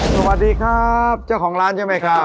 สวัสดีครับเจ้าของร้านใช่ไหมครับ